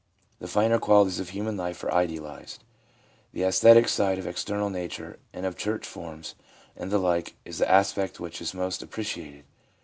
The finer qualities of human life are idealised, the aesthetic side of external nature and of church forms and the like is the aspect which is most appreciated.